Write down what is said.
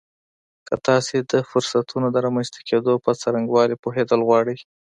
که تاسې د فرصتونو د رامنځته کېدو په څرنګوالي پوهېدل غواړئ.